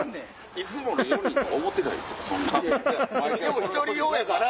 でも１人用やから。